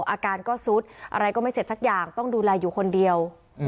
อาการก็ซุดอะไรก็ไม่เสร็จสักอย่างต้องดูแลอยู่คนเดียว